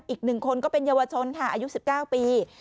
อีก๑คนก็เป็นเยาวชนค่ะอายุ๑๙ปี